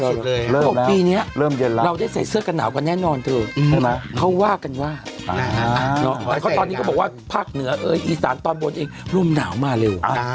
เริ่มแล้วเพราะปีนี้เราได้ใส่เสื้อกระหน่ากันแน่นอนเถอะเขาว่ากันว่าตอนนี้เขาบอกว่าภาคเหนืออีสานตอนบนเองร่มหน่าวมากเร็ว